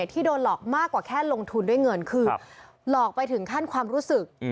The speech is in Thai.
ที่โดนหลอกมากกว่าแค่ลงทุนด้วยเงินคือหลอกไปถึงขั้นความรู้สึก